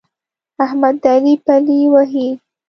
احمد د علي پلې وهي.